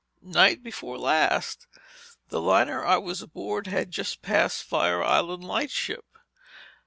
"Night before last. The liner I was aboard had just passed Fire Island lightship.